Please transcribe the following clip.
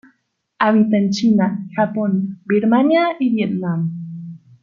Habita en China, Japón, Birmania y Vietnam.